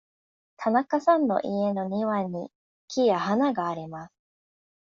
田中さんの家の庭に木や花があります。